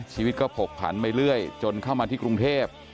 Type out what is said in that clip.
ชีวิตก็ผกผันไปเรื่อยจนเข้ามาที่กรุงเทพ